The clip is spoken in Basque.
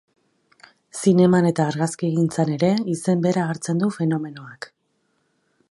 Zineman eta argazkigintzan ere izen bera hartzen du fenomenoak.